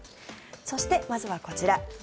そして、まずはこちら。